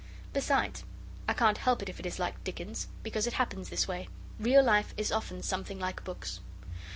Besides, I can't help it if it is like Dickens, because it happens this way. Real life is often something like books.